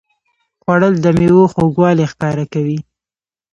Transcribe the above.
خوړل د میوو خوږوالی ښکاره کوي